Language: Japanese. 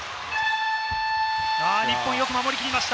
日本よく守り切りました。